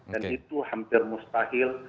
dan itu hampir mustahil